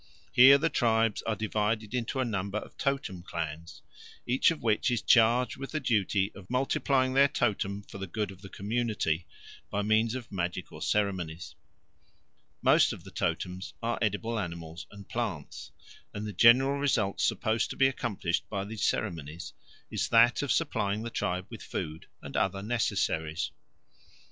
Here the tribes are divided into a number of totem clans, each of which is charged with the duty of multiplying their totem for the good of the community by means of magical ceremonies. Most of the totems are edible animals and plants, and the general result supposed to be accomplished by these ceremonies is that of supplying the tribe with food and other necessaries.